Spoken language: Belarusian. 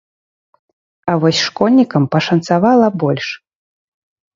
А вось школьнікам пашанцавала больш.